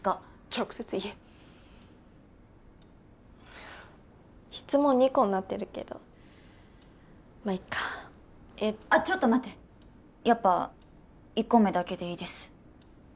直接言え質問２個になってるけどまっいっかえっとあっちょっと待ってやっぱ１個目だけでいいです